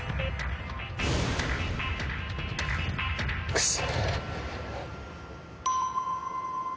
クソ。